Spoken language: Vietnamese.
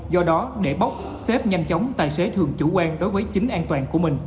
do đó để bốc xếp nhanh chóng tài xế thường chủ quan đối với chính an toàn của mình